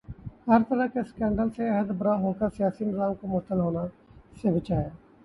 ہر طرح کے سکینڈل سے عہدہ برا ہو کر سیاسی نظام کو معطل ہونے سے بچایا